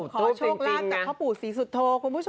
ขอโชคลาดจากข้าวปู่ศรีสุทโท